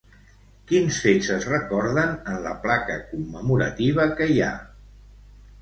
Quins fets es recorden en la placa commemorativa que hi ha?